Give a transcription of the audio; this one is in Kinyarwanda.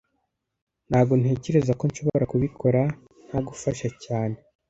Ntago ntekereza ko nshobora kubikora ntagufasha cyane